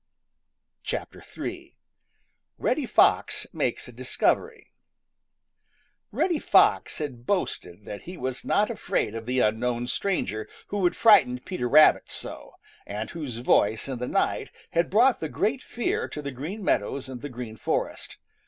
III. REDDY FOX MAKES A DISCOVERY |REDDY FOX had boasted that he was not afraid of the unknown stranger who had frightened Peter Rabbit so, and whose voice in the night had brought the great fear to the Green Meadows and the Green Forest.